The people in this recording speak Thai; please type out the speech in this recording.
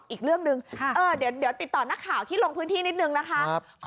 อีกเรื่องหนึ่งเดี๋ยวติดต่อนักข่าวที่ลงพื้นที่นิดนึงนะคะ